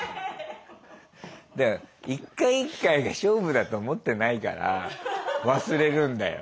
だから一回一回が勝負だと思ってないから忘れるんだよ。